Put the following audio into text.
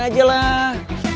cukin aja lah